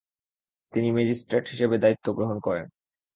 তিনি ম্যাজিস্ট্রেট হিসেবে দায়িত্ব গ্রহণ করেন।